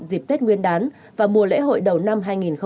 dịp tết nguyên đán và mùa lễ hội đầu năm hai nghìn hai mươi